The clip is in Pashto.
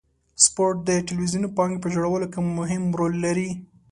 سپورت د ټولنیزې پانګې په جوړولو کې مهم رول لري.